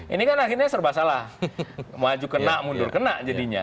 ini kan akhirnya serba salah maju kena mundur kena jadinya